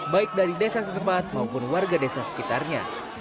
baik dari desa setempat maupun warga desa sekitarnya